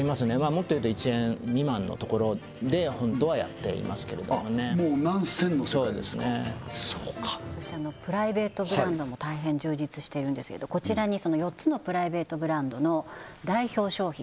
もっと言うと１円未満のところでホントはやっていますけれどもねもう何銭の世界ですかそうですねそうかそしてプライベートブランドも大変充実しているんですけどこちらにその４つのプライベートブランドの代表商品